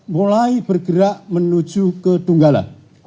mulai bergerak menuju ke tunggala